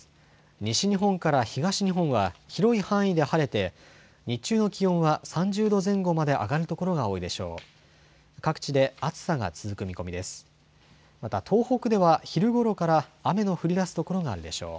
西日本から東日本は広い範囲で晴れて日中の気温は３０度前後まで上がる所が多いでしょう。